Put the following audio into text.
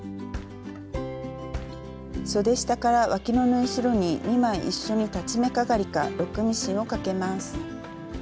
そで下からわきの縫い代に２枚一緒に裁ち目かがりかロックミシンをかけます。